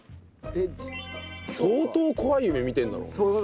相当怖い夢見てるんだろうね。